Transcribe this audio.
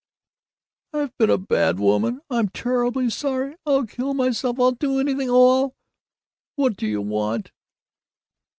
"I've been a bad woman! I'm terribly sorry! I'll kill myself! I'll do anything. Oh, I'll What do you want?"